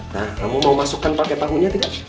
nah kamu mau masukkan pakai tahunya tidak